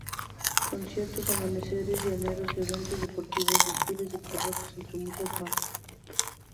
Conciertos, amaneceres llaneros, eventos deportivos, desfiles de carrozas, entre muchas más.